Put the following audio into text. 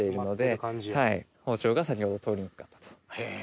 包丁が先ほど通りにくかったと。